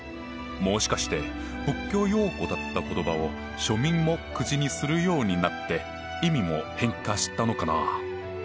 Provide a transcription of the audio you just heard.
もしかして仏教用語だった言葉を庶民も口にするようになって意味も変化したのかな？